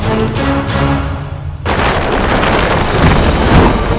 perasaan semua saping kayak gini